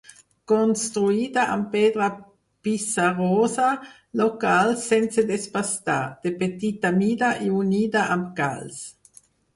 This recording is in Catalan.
Construïda amb pedra pissarrosa local sense desbastar, de petita mida i unida amb calç.